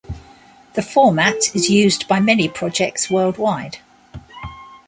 The format is used by many projects worldwide.